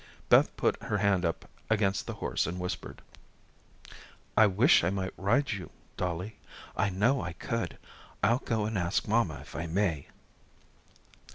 Beth put her hand up against the horse and whispered: "I wish I might ride you, Dollie. I know I could. I'll go and ask mamma if I may."